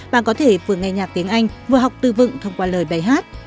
bạn có thể vừa nghe nhạc tiếng anh vừa học tư vựng thông qua lời bài hát